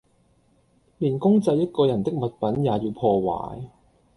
連公祭一個人的物品也要破壞